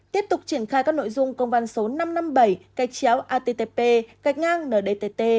tiếp tục triển khai các nội dung công văn số năm trăm năm mươi bảy cây chéo attp gạch ngang ndtt